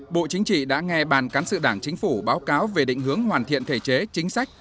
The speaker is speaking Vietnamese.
bộ chính trị đã nghe ban cán sự đảng chính phủ báo cáo về định hướng hoàn thiện thể chế chính sách